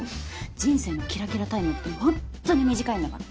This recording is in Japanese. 人生のキラキラタイムって本当に短いんだから。